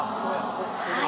はい。